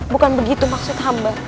bukan begitu maksud hamba